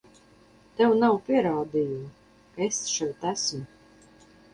Tev nav pierādījumu, ka es šeit esmu!